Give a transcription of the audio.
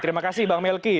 terima kasih bang melki